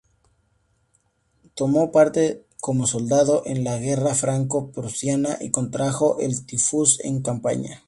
Tomó parte como soldado en la guerra franco-prusiana y contrajo el tifus en campaña.